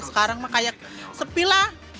sekarang mah kayak sepi lah